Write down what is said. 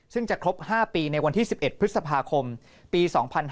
ซึ่งจะครบ๕ปีในวันที่๑๑พฤษภาคมปี๒๕๕๙